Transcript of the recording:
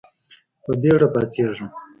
په بېړه پاڅېږم .